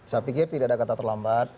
saya pikir tidak ada kata terlambat